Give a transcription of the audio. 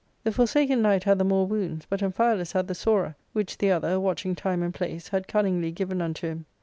The Forsaken Knight had the more wounds, but Amphialus had the sorer, which the other, watching time and place, had cunningly given unto him.